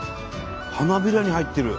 花びらに入ってる。